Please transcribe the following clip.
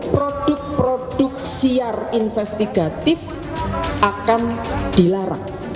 produk produk siar investigatif akan dilarang